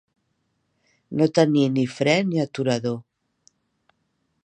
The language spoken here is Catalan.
No tenir ni fre ni aturador.